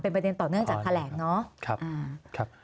เป็นประเด็นต่อเนื่องจากแถลงเนาะ